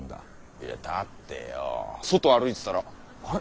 いやだってよォ外歩いてたらあれっ？